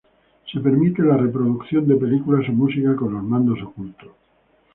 Se permite la reproducción de películas o música con los mandos ocultos.